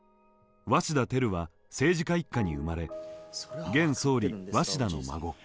鷲田照は政治家一家に生まれ現総理鷲田の孫。